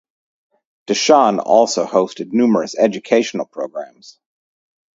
Dashan also hosted numerous educational programs.